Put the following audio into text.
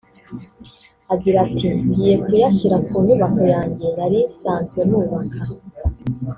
Agira ati “Ngiye kuyashyira ku nyubako yanjye nari nsanzwe nubaka